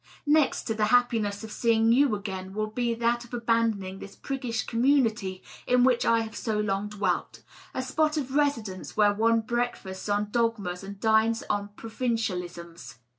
Next to the happiness of seeing you again will be that of abandoning this priggish community in which I have so long dwelt — ^a spot of residence where one breakfasts on dogmas and dines on provincialisms."